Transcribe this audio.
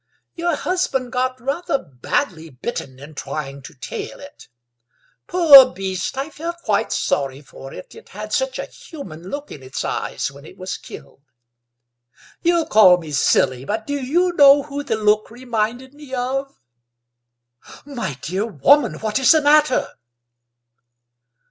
Your husband got rather badly bitten in trying to 'tail it.' Poor beast, I felt quite sorry for it, it had such a human look in its eyes when it was killed. You'll call me silly, but do you know who the look reminded me of? My dear woman, what is the matter?"